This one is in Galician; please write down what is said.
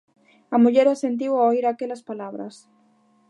A muller asentiu ao oír aquelas palabras.